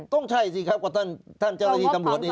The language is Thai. ต้องใช่สิครับกว่าท่านจนาทีตำรวจนี้